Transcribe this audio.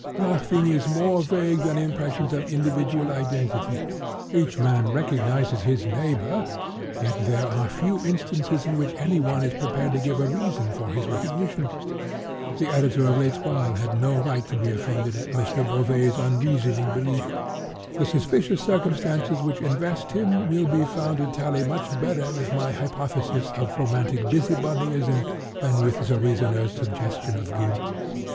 Nothing is more vague than impressions of individual identity. Each man recognizes his neighbor, yet there are few instances in which any one is prepared to give a reason for his recognition. The editor of L'Etoile had no right to be offended at M. Beauvais' unreasoning belief. "The suspicious circumstances which invest him, will be found to tally much better with my hypothesis of romantic busy bodyism, than with the reasoner's suggestion of guilt.